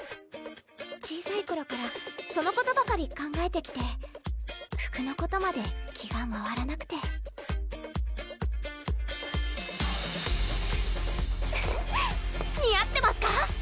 小さい頃からそのことばかり考えてきて服のことまで気が回らなくて似合ってますか？